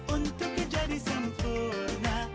untuk kejadian sempurna